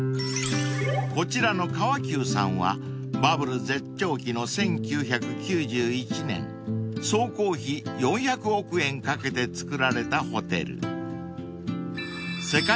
［こちらの川久さんはバブル絶頂期の１９９１年総工費４００億円かけて造られたホテル］